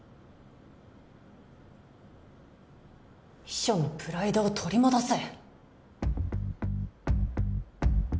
秘書のプライドを取り戻せ。